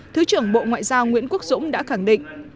thứ trưởng bộ ngoại giao nguyễn quốc dũng đã khẳng định